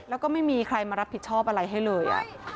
แล้วก็ไม่มีใครมารับผิดชอบอะไรให้เลย